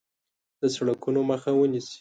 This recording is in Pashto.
د سرغړونکو مخه ونیسي.